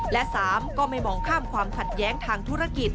และ๓ก็ไม่มองข้ามความขัดแย้งทางธุรกิจ